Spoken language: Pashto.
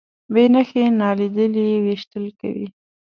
بې نښې نالیدلي ویشتل کوي.